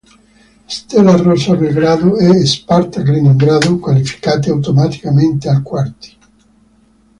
Stella Rossa Belgrado e Spartak Leningrado qualificate automaticamente ai quarti.